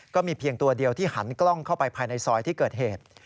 เพียงตัวเดียวที่หันกล้องเข้าไปภายในซอยที่เกิดเหตุ